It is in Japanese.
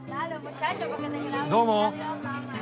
どうも。